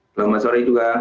selamat sore juga